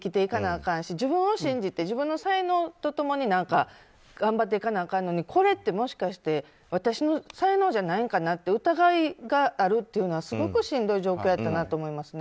かなし自分を信じて、自分の才能と共に頑張っていかなあかんのにこれってもしかして私の才能じゃないのかなって疑いがあるというのはすごくしんどい状況やなと思いますね。